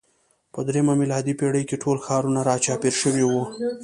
په درېیمه میلادي پېړۍ کې ټول ښارونه راچاپېر شوي وو.